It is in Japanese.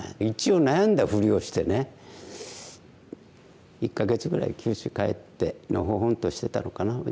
一応悩んだフリをしてね１か月ぐらい九州帰ってのほほんとしてたのかな。